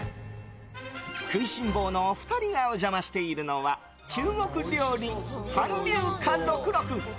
食いしん坊のお二人がお邪魔しているのは中国料理彬龍華６６。